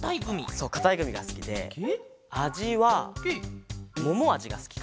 そうかたいグミがすきであじはももあじがすきかな。